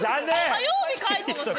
火曜日書いてますよね。